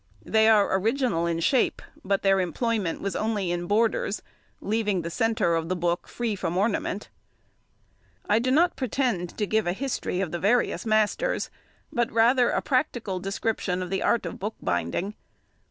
They are original in shape, but their employment was only in borders, leaving the centre of the book free from ornament. |116| I do not pretend to give a history of the various masters, but rather a practical description of the art of bookbinding.